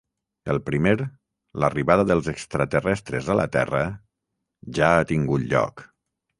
El primer, l'arribada dels extraterrestres a la Terra, ja ha tingut lloc.